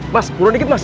mas pulang dikit mas